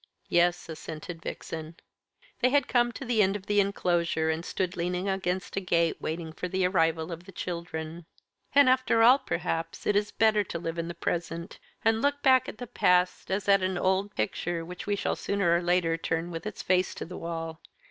"Yes," assented Vixen. They had come to the end of the enclosure, and stood leaning against a gate, waiting for the arrival of the children. "And after all, perhaps, it is better to live in the present, and look back at the past, as at an old picture which we shall sooner or later turn with its face to the wall."